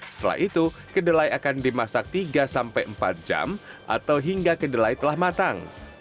setelah itu kedelai akan dimasak tiga sampai empat jam atau hingga kedelai telah matang